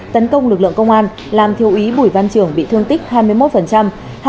tấn công lực lượng công an làm thiêu úy bùi văn trưởng bị thương tích hai mươi một